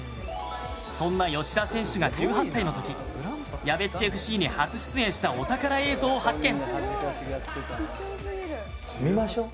そんな吉田選手が１８歳の時「やべっちＦ．Ｃ．」に初出演したお宝映像を発見。